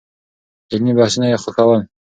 علمي بحثونه يې خوښول.